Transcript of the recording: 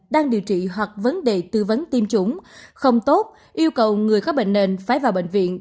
đang điều trị hoặc vấn đề tư vấn tiêm chủng không tốt yêu cầu người có bệnh nền phải vào bệnh viện